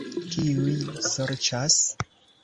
Kiuj sorĉas?